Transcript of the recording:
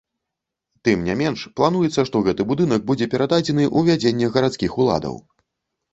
Тым не менш, плануецца, што гэты будынак будзе перададзены ў вядзенне гарадскіх уладаў.